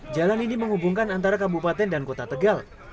jalan ini menghubungkan antara kabupaten dan kota tegal